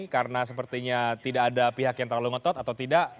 karena sepertinya tidak ada pihak yang terlalu ngetot atau tidak